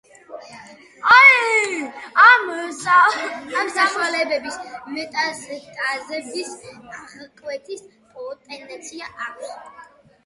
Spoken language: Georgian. ამ საშუალებებს მეტასტაზების აღკვეთის პოტენცია აქვს.